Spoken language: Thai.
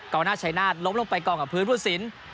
เกาะนาธชัยนาธล้มลงไปกล่องกับพื้นพูดสิน